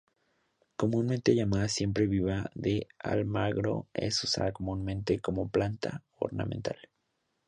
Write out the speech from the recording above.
Comúnmente llamada siempreviva de Almagro, es usada comúnmente como planta ornamental.